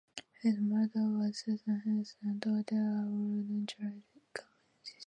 His mother was Susan Henrietta, daughter of Lord George Cavendish.